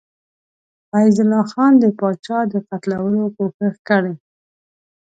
فیض الله خان د پاچا د قتلولو کوښښ کړی.